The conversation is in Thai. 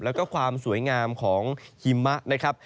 และความสวยงามของหิมะ